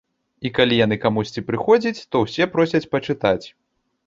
І калі яны камусьці прыходзіць, то ўсе просяць пачытаць.